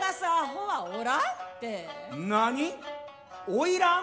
おいらん？